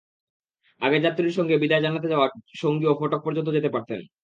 আগে যাত্রীর সঙ্গে বিদায় জানাতে যাওয়া সঙ্গীও ফটক পর্যন্ত যেতে পারতেন।